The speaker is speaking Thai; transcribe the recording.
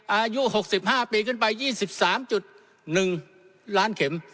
อายุ๖๕ปีขึ้นไป๒๓๑ล้านเข็ม